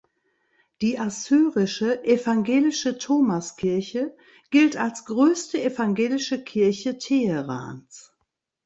Die assyrische evangelische Thomaskirche gilt als größte evangelische Kirche Teherans.